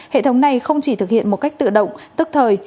hệ thống này không chỉ thực hiện một cách tự động tức thời